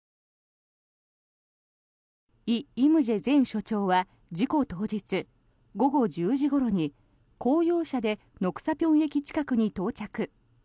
イ・イムジェ前署長は事故当日、午後１０時ごろに公用車で緑莎坪駅近くに到着。